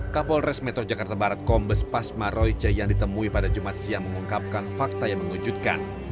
kapolres metro jakarta barat kombes pasma royce yang ditemui pada jumat siang mengungkapkan fakta yang mengejutkan